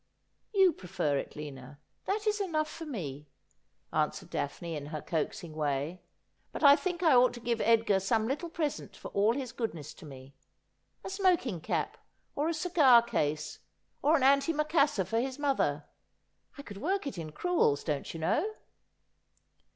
'You prefer it, Lina; that is enough for me,' answered Daphne in her coaxing way. 'But I think I ought to give Edgar some little present for all his goodness to me. A smok ing cap, or a cigar case, or an antimacassar for his mother. I could work it in crewels, don't you know.'